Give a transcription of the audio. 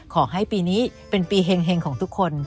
ขอให้ปีนี้เป็นปีแห่งของทุกคน